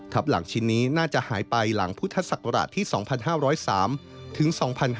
หลังชิ้นนี้น่าจะหายไปหลังพุทธศักราชที่๒๕๐๓ถึง๒๕๕๙